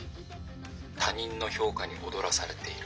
他人の評価に踊らされている」。